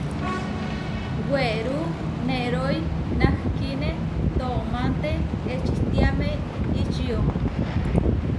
Werú nerói nahkíne toománte ečitiáme ičió.